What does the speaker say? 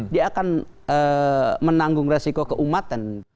dia akan menanggung resiko keumatan